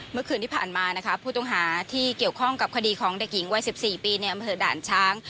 เมื่อคืนที่ผ่านมานะคะผู้ต้องหาที่เกี่ยวข้องกับคดีของเด็กหญิงวัย๑๔ปีในอำเภอด่านช้าง